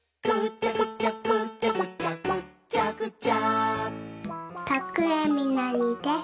「ぐちゃぐちゃぐちゃぐちゃぐっちゃぐちゃ」